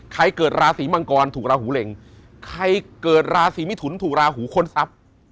เกิดราศีมังกรถูกราหูเหล็งใครเกิดราศีมิถุนถูกราหูค้นทรัพย์